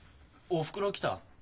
おふくろ来た？